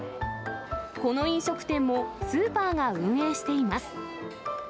この飲食店も、スーパーが運営しています。